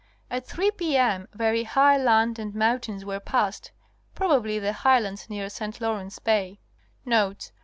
At three p. m. very high land and mountains were passed (proba bly the highlands near St. Lawrence Bay). Notes.